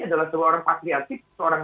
adalah seorang patriotik seorang